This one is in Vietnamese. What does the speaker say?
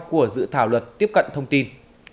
của dự thảo luật tiếp cận thông tin